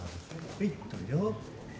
はい取るよ。